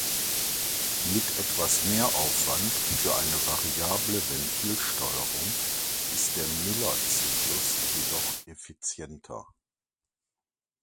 Mit etwas Mehraufwand für eine variable Ventilsteuerung ist der Miller-Zyklus jedoch effizienter.